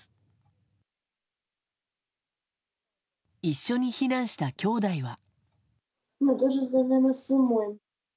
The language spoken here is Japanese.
一緒に避難したきょうだいは。